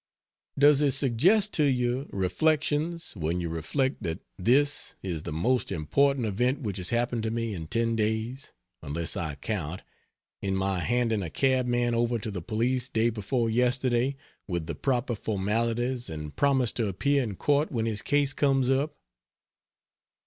Does it suggest to you reflections when you reflect that this is the most important event which has happened to me in ten days unless I count in my handing a cabman over to the police day before yesterday, with the proper formalities, and promised to appear in court when his case comes up.